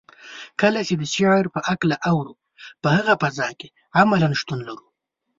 کله چې د شعر په هکله اورو په هغه فضا کې عملاً شتون لرو.